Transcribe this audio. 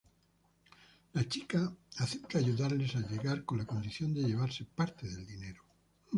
La chica acepta ayudarles a llegar con la condición de llevarse parte del dinero.